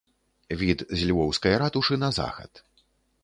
Від з львоўскай ратушы на захад.